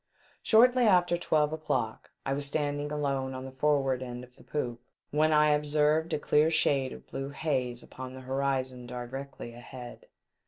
Shortly after twelve o'clock, I was stand ing alone on the forward end of the poop, when I observed a clear shade of blue haze upon the horizon directly ahead.